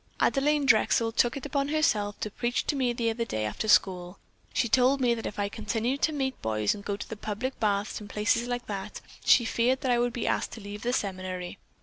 Adelaine Drexel took it upon herself to preach to me the other day after school. She told me that if I continued to meet boys and go to public baths and places like that, she feared that I would be asked to leave the seminary.